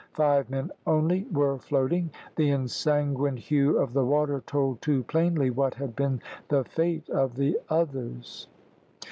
Five men only were floating. The ensanguined hue of the water told too plainly what had been the fate of the others.